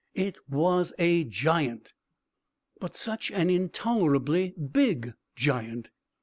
It was a giant! But such an intolerably big giant!